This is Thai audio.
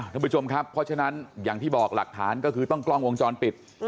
ท่านผู้ชมครับเพราะฉะนั้นอย่างที่บอกหลักฐานก็คือต้องกล้องวงจรปิด